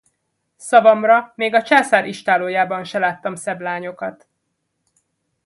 Szavamra, még a császár istállójában se láttam szebb lányokat!